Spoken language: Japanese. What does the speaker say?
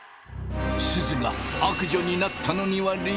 すずが悪女になったのには理由が。